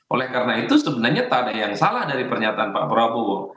oleh karena itu sebenarnya tak ada yang salah dari pernyataan pak prabowo